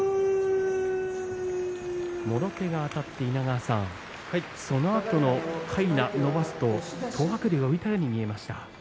もろ手があたって、稲川さんそのあとのかいなを伸ばすと東白龍が浮いたように見えました。